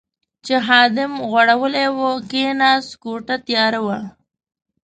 چې خادم غوړولې وه، کېناست، کوټه تیاره وه.